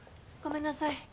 ごめんなさい。